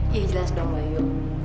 ya jelas dong bayu